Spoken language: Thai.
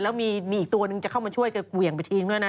แล้วมีอีกตัวนึงจะเข้ามาช่วยก็เหวี่ยงไปทิ้งด้วยนะ